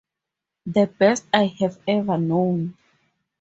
The best I have ever known.